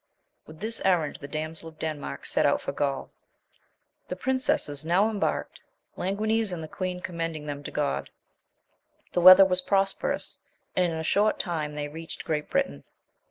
With this errand the dam sel of Denmark set out for Gaul. The princesses now embarked, Languines and the queen commending them to God. The weather was prosperous and in a short time they reached Great Britain.